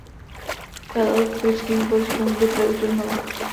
Velel pruským vojskům v bitvě u Trutnova.